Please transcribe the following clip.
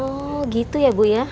oh gitu ya bu ya